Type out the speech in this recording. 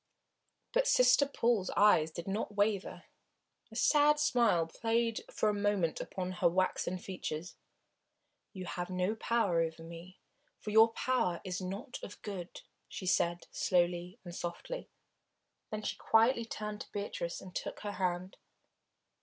But Sister Paul's eyes did not waver. A sad smile played for a moment upon her waxen features. "You have no power over me for your power is not of good," she said, slowly and softly. Then she quietly turned to Beatrice, and took her hand.